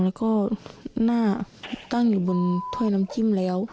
แล้วก็หน้าตั้งอยู่บนถ้อยน้ำจิ้มแล้ว